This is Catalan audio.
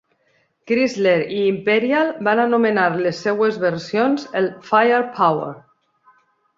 Chrysler i Imperial van anomenar les seves versions el "FirePower".